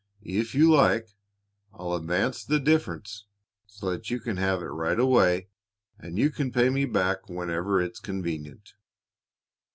"If you like, I'll advance the difference so that you can have it right away, and you can pay me back whenever it's convenient."